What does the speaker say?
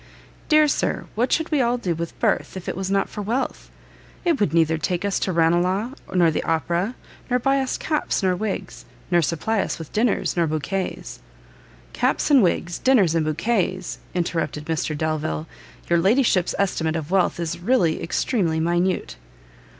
"Dear Sir, what should we all do with birth if it was not for wealth? it would neither take us to Ranelagh nor the Opera; nor buy us caps nor wigs, nor supply us with dinners nor bouquets." "Caps and wigs, dinners and bouquets!" interrupted Mr Delvile; "your ladyship's estimate of wealth is really extremely minute."